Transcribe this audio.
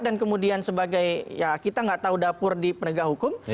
dan kemudian sebagai ya kita tidak tahu dapur di penegak hukum